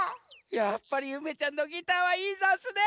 やっぱりゆめちゃんのギターはいいざんすね。